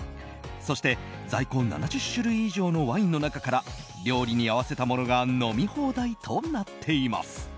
そして在庫７０種類以上のワインの中から料理に合わせたものが飲み放題となっています。